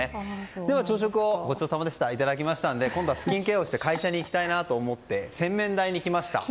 では、朝食をいただきましたのでスキンケアをして会社に行きたいと思って洗面台に来ました。